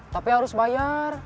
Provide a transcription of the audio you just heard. tapi harus bayar